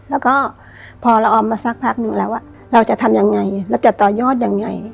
แล้วก็พอเราออมมาสักพักนึงแล้วเราจะทำยังไงเราจะต่อยอดยังไง